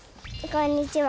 こんにちは。